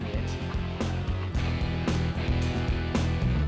sekarang aku bawain